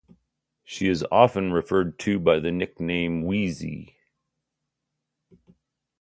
She is often referred to by the nickname "Weezie".